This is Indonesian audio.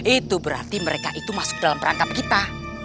itu berarti mereka itu masuk dalam perangkap kita